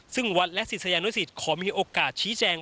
ซึ่งวัดและศิษยานุสิตขอมีโอกาสชี้แจง